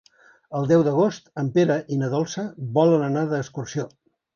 El deu d'agost en Pere i na Dolça volen anar d'excursió.